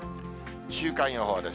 週間予報です。